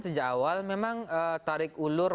sejak awal memang tarik ulur